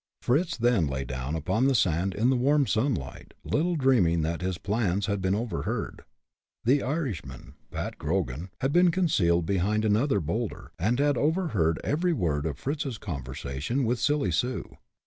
Fritz then lay down upon the sand in the warm sunlight, little dreaming that his plans had been overheard. The Irishman, Pat Grogan, had been concealed behind another bowlder, and had over heard every word of Fritz's conversation with Silly Sue.